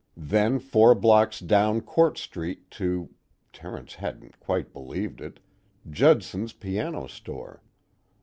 Then four blocks down Court Street to (Terence hadn't quite believed it) Judson's Piano Store.